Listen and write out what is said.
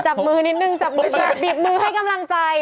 จับมือนิดหนึ่งจับมือบีบมือให้กำลังใจ